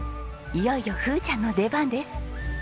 いよいよふーちゃんの出番です。